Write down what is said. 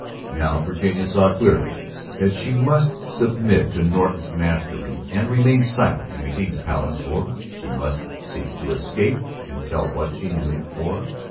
Now Virginia saw clearly that she must submit to Norton's mastery and remain silent in the King's Palace or she must seek to escape and tell what she knew or